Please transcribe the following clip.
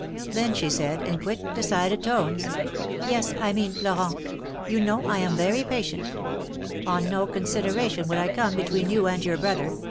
Then she said, in quick, decided tones : "Yes; I mean Florent. You knowl am very patient. On no consideration would I come between you and your brother.